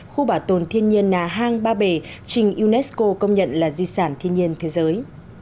khu bảo tồn thiên nhiên nà hang ba bể trình unesco công nhận là di sản thiên nhiên thế giới